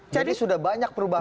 jadi sudah banyak perubahan